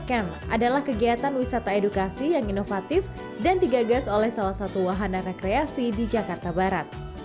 camp adalah kegiatan wisata edukasi yang inovatif dan digagas oleh salah satu wahana rekreasi di jakarta barat